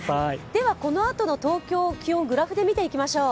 では、このあとの東京の気温、グラフでみていきましょう。